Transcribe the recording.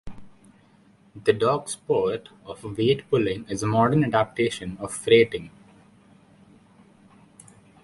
The dog sport of weight pulling is a modern adaptation of freighting.